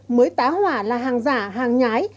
mới tá hỏa là hàng giả hàng nhái